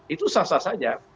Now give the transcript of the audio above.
itu sah sah saja